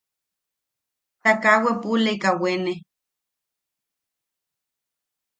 Ta kaa wepulaka wene.